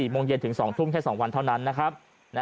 โมงเย็นถึง๒ทุ่มแค่๒วันเท่านั้นนะครับ